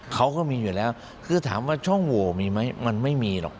เขาก็มีอยู่แล้วคือถามว่าช่องโหวมีไหมมันไม่มีหรอก